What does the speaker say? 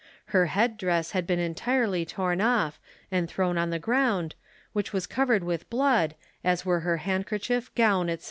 Her head dress had been entirely torn off, and thrown on the ground, which was covered with blood, as were her handkerchief, gown, &c.